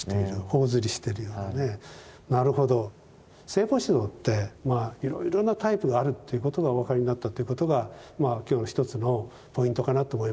聖母子像っていろいろなタイプがあるということがお分かりになったということが今日の一つのポイントかなと思います。